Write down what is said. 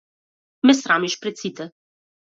Ме срамиш пред сите.